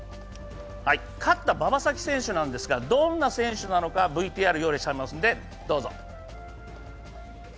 勝った馬場咲希選手なんですが、どんな選手なのかＶＴＲを用意していますので、どうぞ。